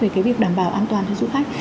về cái việc đảm bảo an toàn cho du khách